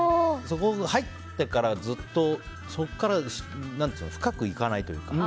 入ってから、ずっとそこから深くいかないというか。